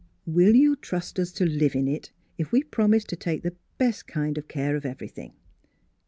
" Will you trust us to live in it, if we'll promise to take the best kind of care of everything